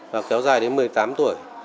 và kéo dài đến một mươi tám tuổi